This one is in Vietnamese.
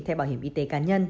theo bảo hiểm y tế cá nhân